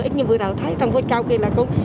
ít như vừa nào thấy trong vết cao kia là không